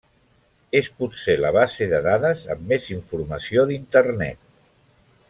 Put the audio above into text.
És potser la base de dades amb més informació d'Internet.